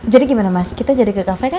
jadi gimana mas kita jadi ke cafe kan